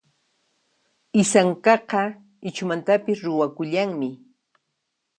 Isankaqa Ichhumantapis ruwakullanmi.